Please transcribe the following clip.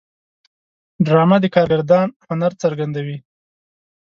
ډرامه د کارگردان هنر څرګندوي